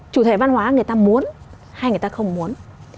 chủ thể văn hóa người ta muốn hay người ta không muốn